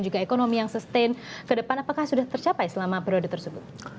juga ekonomi yang sustain ke depan apakah sudah tercapai selama periode tersebut